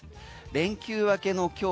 連休明けの今日